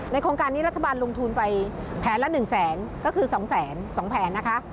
โครงการนี้รัฐบาลลงทุนไปแผนละ๑แสนก็คือ๒๒แผนนะคะ